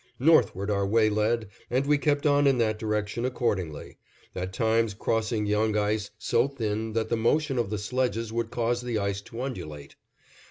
Northward our way led, and we kept on in that direction accordingly, at times crossing young ice so thin that the motion of the sledges would cause the ice to undulate.